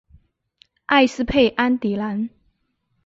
埃斯佩安迪兰。